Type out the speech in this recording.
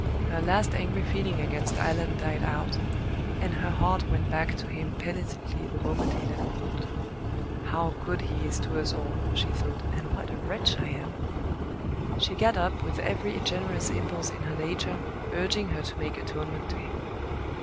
Her last angry feeling against Allan died out, and her heart went back to him penitently the moment he left the boat. "How good he is to us all!" she thought, "and what a wretch I am!" She got up with every generous impulse in her nature urging her to make atonement to him.